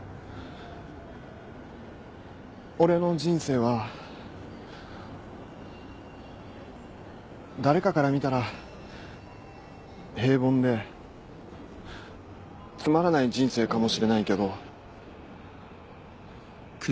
俺の人生は誰かから見たら平凡でつまらない人生かもしれないけど。